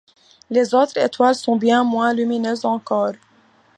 Les autres étoiles sont bien moins lumineuses encore.